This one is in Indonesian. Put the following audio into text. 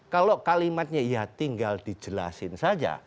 kalau kalimatnya ya tinggal dijelasin saja